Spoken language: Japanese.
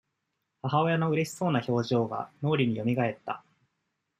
母親のうれしそうな表情が、脳裏によみがえった。